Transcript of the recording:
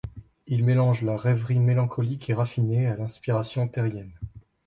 Il mélange la rêverie mélancolique et raffinée à l'inspiration terrienne.